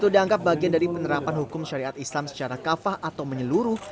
dianggap bagian dari penerapan hukum syariat islam secara kafah atau menyeluruh